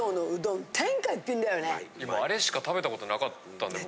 あれしか食べたことがなかったんで僕。